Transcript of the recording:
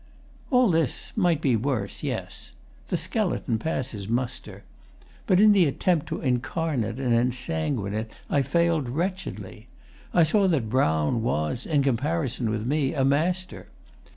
All this might be worse, yes. The skeleton passes muster. But in the attempt to incarnate and ensanguine it I failed wretchedly. I saw that Brown was, in comparison with me, a master.